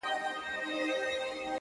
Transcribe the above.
دا هم له تا جار دی ـ اې وطنه زوروره ـ